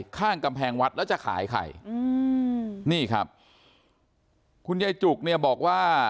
ข้างกำแพงวัดแล้วจะขายใครอืมนี่ครับคุณยายจุกเนี่ยบอกว่า